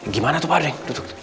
gimana tuh pak uding